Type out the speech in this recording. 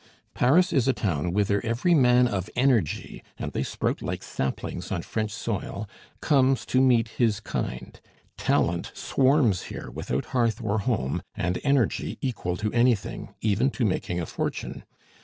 "Paris is a town whither every man of energy and they sprout like saplings on French soil comes to meet his kind; talent swarms here without hearth or home, and energy equal to anything, even to making a fortune.